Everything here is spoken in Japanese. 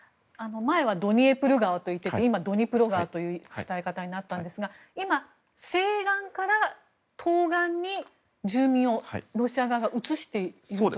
前はドニエプル川といっていて今はドニプロ川という伝え方になったんですが今、西岸から東岸に住民をロシア側が移しているという？